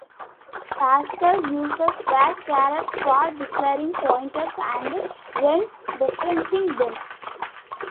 Pascal uses the caret for declaring pointers and when dereferencing them.